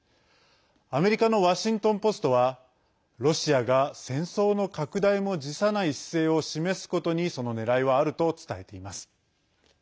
アメリカのワシントン・ポストはロシアが、戦争の拡大も辞さない姿勢を示すことにそのねらいはあると伝えています。